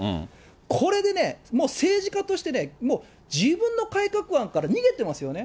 これでね、もう政治家として、自分の改革案から逃げてますよね。